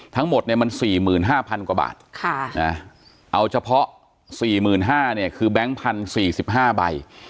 ทั้งหมดเนี่ยมัน๔๕๐๐กว่าบาทเอาเฉพาะ๔๕๐๐เนี่ยคือแบงค์๑๐๔๕ใบ